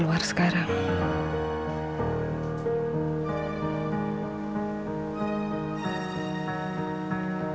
aku pasti akan berjuangkan mereka